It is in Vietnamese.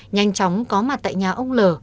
nhanh chóng có mặt tại nhà ông l